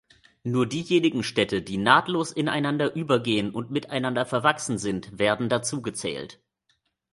Nur diejenigen Städte, die nahtlos ineinander übergehen und miteinander verwachsen sind, werden dazugezählt.